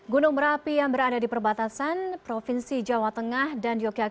gunung merapi yang berada di perbatasan provinsi jawa tengah dan yogyakarta